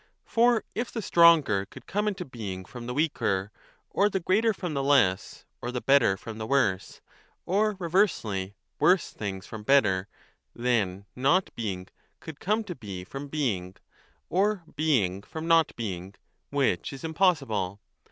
For if the stronger could come into being from the weaker, or the greater from the less, or the 20 better from the worse, or reversely worse things from better, then Not being could come to be from Being, or Being from Not being ; which is impossible.